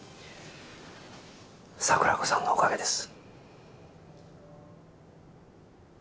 桜子さんのおかげです。